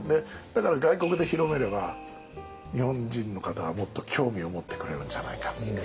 だから外国で広めれば日本人の方はもっと興味を持ってくれるんじゃないか。